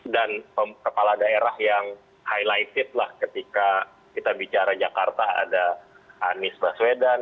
dan kepala daerah yang highlighted lah ketika kita bicara jakarta ada anies baswedan